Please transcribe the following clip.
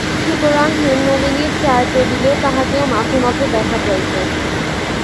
সুতরাং হেমনলিনীর চায়ের টেবিলে তাহাকেও মাঝে মাঝে দেখা যাইত।